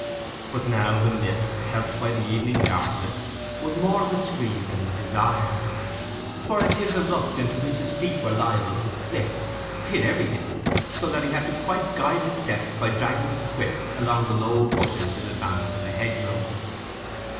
But now the mist, helped by the evening darkness, was more of a screen than he desired, for it hid the ruts into which his feet were liable to slip—hid everything, so that he had to guide his steps by dragging his whip along the low bushes in advance of the hedgerow.